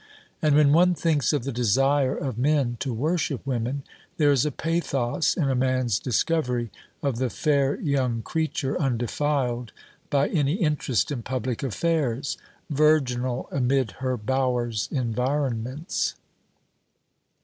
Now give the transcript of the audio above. And when one thinks of the desire of men to worship women, there is a pathos in a man's discovery of the fair young creature undefiled by any interest in public affairs, virginal amid her bower's environments.